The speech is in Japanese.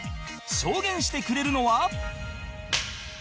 証言してくれるのは